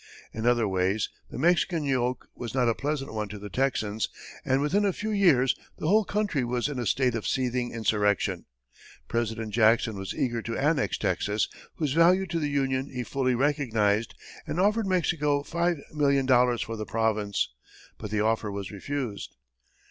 In other ways, the Mexican yoke was not a pleasant one to the Texans, and within a few years, the whole country was in a state of seething insurrection. President Jackson was eager to annex Texas, whose value to the Union he fully recognized, and offered Mexico five million dollars for the province, but the offer was refused.